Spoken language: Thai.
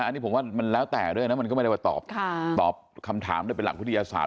อันนี้ผมว่ามันแล้วแต่ด้วยนะมันก็ไม่ได้ว่าตอบตอบคำถามด้วยเป็นหลักวิทยาศาส